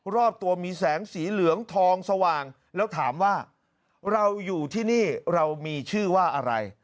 รอบตัวมีแสงสีเหลืองทองสว่างแล้วถามว่าเราอยู่ที่นี่เรามีชื่อว่าอะไร